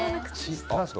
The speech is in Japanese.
何んすか？